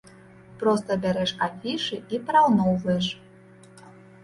Проста бярэш афішы і параўноўваеш!